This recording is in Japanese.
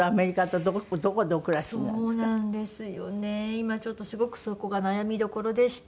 今ちょっとすごくそこが悩みどころでして。